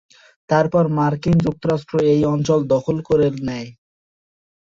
তারপর মার্কিন যুক্তরাষ্ট্র এই অঞ্চল দখল করে নেয়।